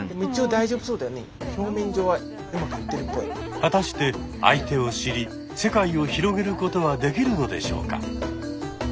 果たして相手を知り世界を広げることはできるのでしょうか。